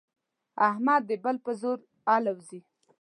احمد د بل په زور الوزي.